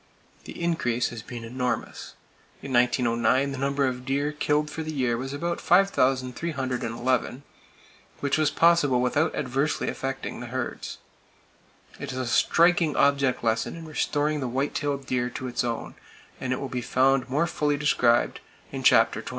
The increase has been enormous. In 1909 the number of deer killed for the year was about 5,311, which was possible without adversely affecting the herds. It is a striking object lesson in restoring the white tailed deer to its own, and it will be found more fully described in chapter XXIV.